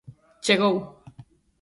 ¡Chegou.